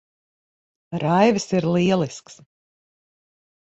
Raivis ir lielisks.